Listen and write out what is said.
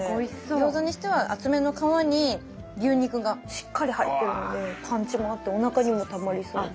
餃子にしては厚めの皮に牛肉がしっかり入ってるんでパンチもあっておなかにもたまりそうで。